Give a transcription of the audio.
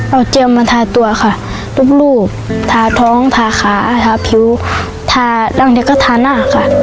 เอาเจียมมาทาตัวค่ะรูปทาท้องทาขาทาผิวทาร่างเดียวก็ทาหน้าค่ะ